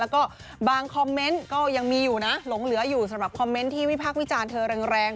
แล้วก็บางคอมเมนต์ก็ยังมีอยู่นะหลงเหลืออยู่สำหรับคอมเมนต์ที่วิพากษ์วิจารณ์เธอแรง